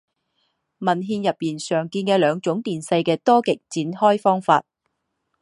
文献里常见到两种电势的多极展开方法。